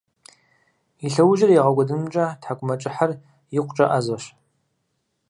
И лъэужьыр игъэкIуэдынымкIэ тхьэкIумэкIыхьыр икъукIэ Iэзэщ.